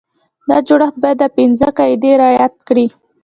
دا جوړښت باید دا پنځه قاعدې رعایت کړي.